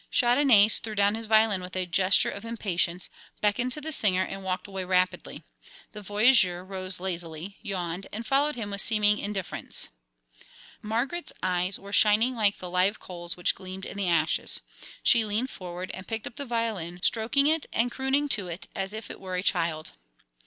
Chandonnais threw down his violin with a gesture of impatience, beckoned to the singer, and walked away rapidly. The voyageur rose lazily, yawned, and followed him with seeming indifference. Margaret's eyes were shining like the live coals which gleamed in the ashes. She leaned forward and picked up the violin, stroking it and crooning to it as if it were a child.